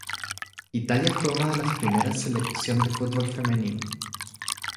Italia fue una de las primeras selección de fútbol femenino.